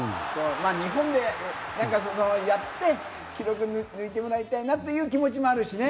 日本でやって記録を抜いてもらいたいなという気持ちもあるしね。